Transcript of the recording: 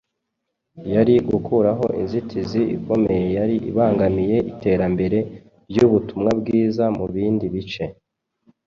yari gukuraho inzitizi ikomeye yari ibangamiye iterambere ry’ubutumwa bwiza mu bindi bice.